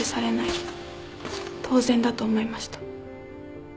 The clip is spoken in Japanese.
当然だと思いました。